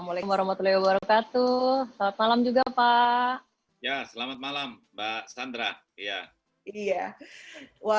colleague yang berumur glas dalam kelemahannya fasilitas partisipasi tersebut yang sudah kami lakukan